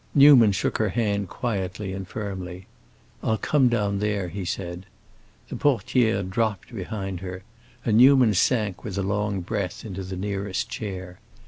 Newman shook her hand quietly and firmly. "I'll come down there," he said. The portière dropped behind her, and Newman sank with a long breath into the nearest chair.